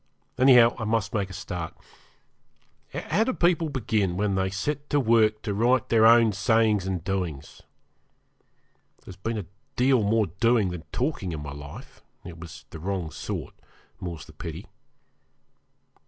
Anyhow, I must make a start. How do people begin when they set to work to write their own sayings and doings? There's been a deal more doing than talking in my life it was the wrong sort more's the pity.